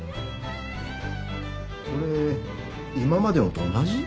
これ今までのと同じ？